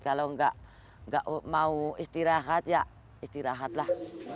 kalau nggak mau istirahat ya istirahatlah